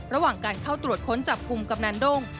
ระหว่างการเข้าตรวจค้นจับกลุ่มกำนันด้ง